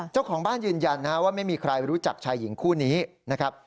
เจ้าของบ้านยืนยันว่าไม่มีใครรู้จักชายหญิงคู่นี้นะครับ